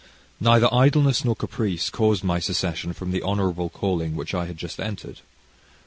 Neither idleness nor caprice caused my secession from the honourable calling which I had just entered.